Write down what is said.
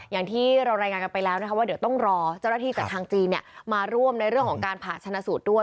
อย่างที่เรารายงานกันไปแล้วนะคะว่าเดี๋ยวต้องรอเจ้าหน้าที่จากทางจีนมาร่วมในเรื่องของการผ่าชนะสูตรด้วย